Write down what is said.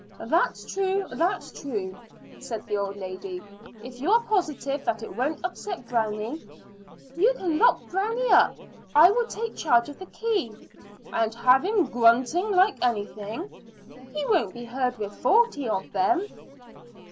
"That's true that's true," said the old lady. "If you are positive that it won't upset Brownie " "You can lock Brownie up; I will take charge of the key." "And have him grunting like anything." "He won't be heard with forty of them."